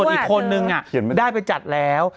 ส่วนอีกคนนึงอะได้เป็นจัดแล้ว